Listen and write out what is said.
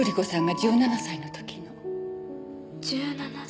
１７歳。